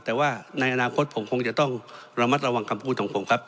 แต่ว่าในอนาคตผมคงจะต้องระมัดระวังคำพูดของผมครับ